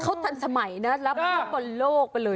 เขาทันสมัยนะรับฟุตบอลโลกไปเลย